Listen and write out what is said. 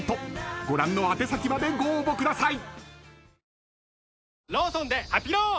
［ご覧の宛先までご応募ください］